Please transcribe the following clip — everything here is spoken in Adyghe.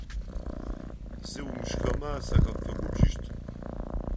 Зи умышхэмэ сэкъэпфэгъубжыт!